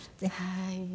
はい。